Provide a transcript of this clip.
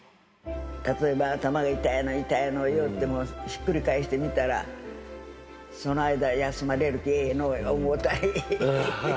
例えば頭が痛いの痛いの言うてもひっくり返してみたら、その間休まれるからええのー思ったり。